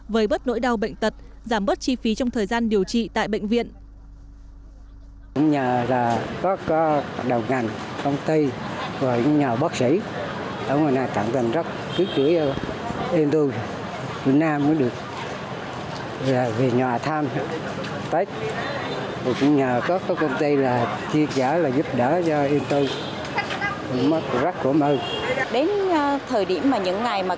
với bớt nỗi đau bệnh tật giảm bớt chi phí trong thời gian điều trị tại bệnh viện